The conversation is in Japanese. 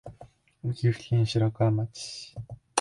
岐阜県白川町